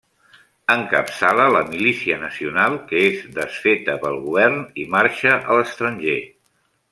Encapçala la milícia nacional, que és desfeta pel govern, i marxa a l'estranger.